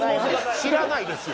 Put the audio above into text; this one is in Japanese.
知らないですよ。